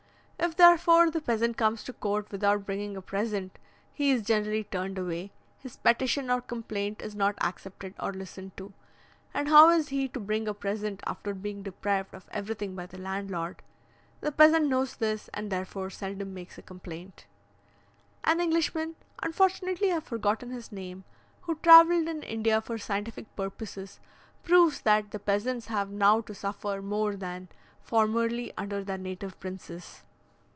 If, therefore, the peasant comes to the court without bringing a present, he is generally turned away, his petition or complaint is not accepted or listened to; and how is he to bring a present after being deprived of everything by the landlord? The peasant knows this, and therefore seldom makes a complaint. An Englishman (unfortunately I have forgotten his name) who travelled in India for scientific purposes, proves that the peasants have now to suffer more than formerly under their native princes.